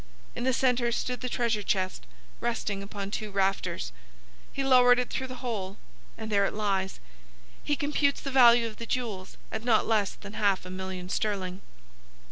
In the centre stood the treasure chest, resting upon two rafters. He lowered it through the hole, and there it lies. He computes the value of the jewels at not less than half a million sterling."